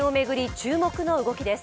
注目の動きです。